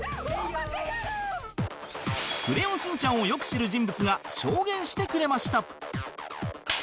『クレヨンしんちゃん』をよく知る人物が証言してくれました